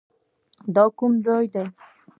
دا کوم ځای دی؟